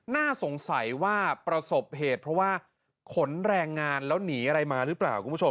น่าสงสัยว่าประสบเหตุเพราะว่าขนแรงงานแล้วหนีอะไรมาหรือเปล่าคุณผู้ชม